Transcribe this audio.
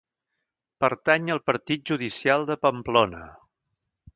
Pertany al partit judicial de Pamplona.